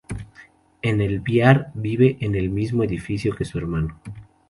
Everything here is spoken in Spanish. En El Biar vive en el mismo edificio que su hermano.